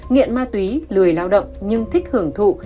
nghiện ma túy lười lao động nhưng thích hưởng thụ